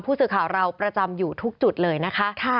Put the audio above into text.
ผู้สื่อข่าวเราประจำอยู่ทุกจุดเลยนะคะ